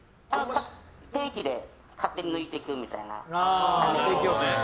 定期で勝手に抜いてくみたいな。